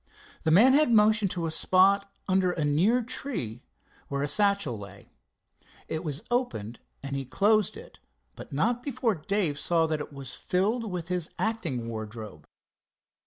The man had motioned to a spot under a near tree where a satchel lay. It was open and he closed it, but not before Dave saw that it was filled with his acting wardrobe.